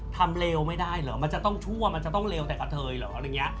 ทำเลวไม่ได้เหรอมันจะต้องชั่วมันจะต้องเลวแต่กับเธอย่างไร